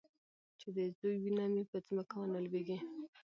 چې د زوى وينه مې په ځمکه ونه لوېږي.